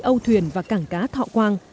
ô thuyền và cảng cá thọ quang